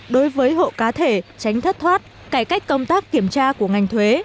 đối với hộ cá thể tránh thất thoát cải cách công tác kiểm tra của ngành thuế